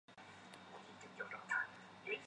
白志东是一位中国统计学家。